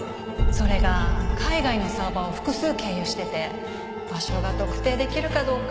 それが海外のサーバーを複数経由してて場所が特定できるかどうか。